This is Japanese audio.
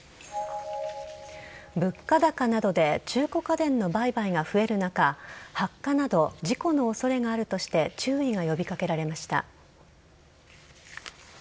物価高などで中古家電の売買が増える中発火など事故の恐れがあるとして注意が呼び掛けられました。